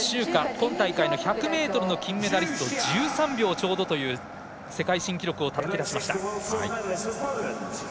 今大会の１００ｍの金メダリスト１３秒ちょうどという世界新記録をたたき出しました。